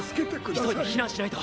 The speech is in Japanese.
急いで避難しないと。